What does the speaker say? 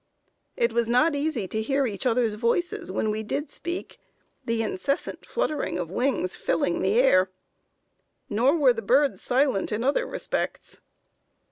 It was not easy to hear each others' voices when we did speak, the incessant fluttering of wings filling the air. Nor were the birds silent in other respects.